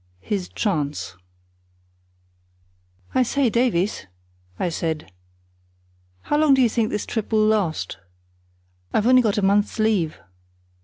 His Chance "I say, Davies," I said, "how long do you think this trip will last? I've only got a month's leave."